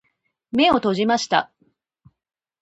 目を閉じました。